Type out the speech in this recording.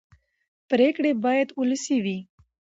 پرېکړې باید ولسي وي